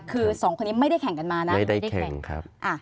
คือสองคนนี้ไม่ได้แข่งกันมานะ